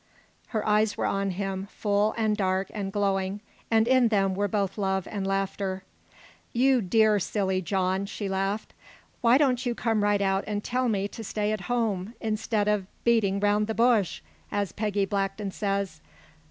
Her eyes were on him, full, and dark, and glowing, and in them were both love and laughter. "You dear silly John!" she laughed. "Why don't you come right out and tell me to stay at home, instead of of 'beating 'round the bush' as Peggy Blackton says?